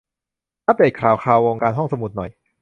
อัปเดทข่าวคราววงการห้องสมุดหน่อย